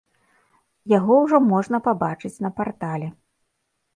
Яго ужо можна пабачыць на партале.